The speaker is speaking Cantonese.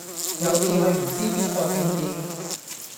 有次去唔知邊個景點